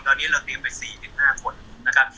ทีนี้เราเป็น๔๕คน